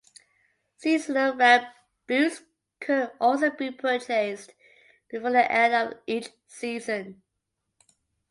Seasonal rank boosts could also be purchased before the end of each season.